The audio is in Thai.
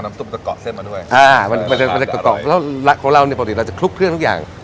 ซุปจะเกาะเส้นมาด้วยอ่ามันจะเกาะแล้วของเราเนี่ยปกติเราจะคลุกเครื่องทุกอย่าง